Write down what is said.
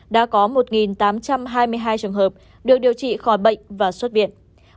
đã có một tám trăm hai mươi hai trường hợp được điều trị khỏi bệnh và xuất viện